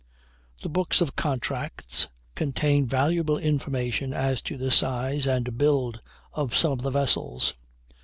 The books of contracts contain valuable information as to the size and build of some of the vessels.